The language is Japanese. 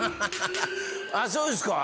あっそうですか？